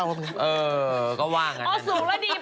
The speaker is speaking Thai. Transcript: เออก็ว่างั้นนะครับอย่างนั้นครับค่ะสูงก็ดีไปหมด